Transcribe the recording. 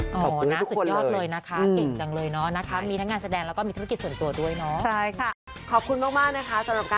ขอบคุณให้ทุกคนเลยอ๋อนะสุดยอดเลยนะคะอิ่งจังเลยเนอะนะคะ